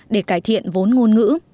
để cải thiện vốn ngôn ngữ